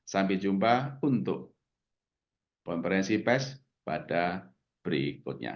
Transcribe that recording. sampai jumpa untuk konferensi pes pada berikutnya